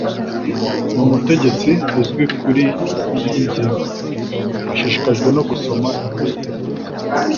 Ni umutegetsi uzwi kuriyi ngingo. Ashishikajwe no gusoma inkuru yiperereza